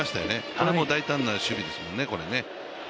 これ大胆な守備ですもんね。